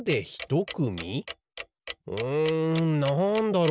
んなんだろう。